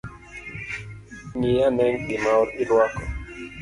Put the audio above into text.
Ngi ane gima irwako